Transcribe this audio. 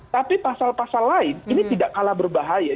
tapi pasal pasal lain ini tidak kalah berbahaya